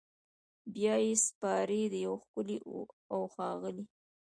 بیا یې سپاري د یو ښکلي اوښاغلي